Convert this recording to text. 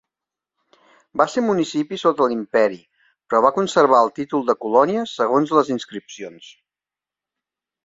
Va ser municipi sota l'Imperi però va conservar el títol de colònia segons les inscripcions.